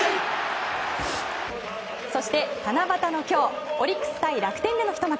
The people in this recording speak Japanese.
そして、七夕の今日オリックス対楽天でのひと幕。